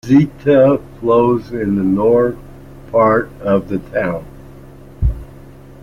Ziethe flows in the north part of the town.